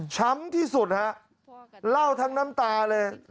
ช้ำที่สุดฮะเล่าทั้งน้ำตาเลย